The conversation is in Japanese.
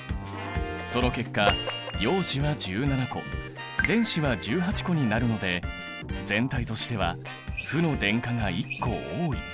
その結果陽子は１７個電子は１８個になるので全体としては負の電荷が１個多い。